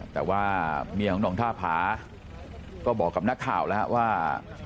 แต่ว่าเมียของน้องท่าผาก็บอกกับนักข่าวแล้วว่า